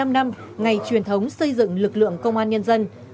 bảy mươi năm năm ngày truyền thống xây dựng lực lượng công an nhân dân